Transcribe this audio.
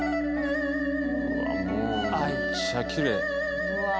うわもうめっちゃきれい。